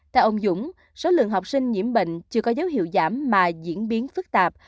theo ông dũng số lượng học sinh nhiễm bệnh chưa có dấu hiệu giảm mà diễn biến phức tạp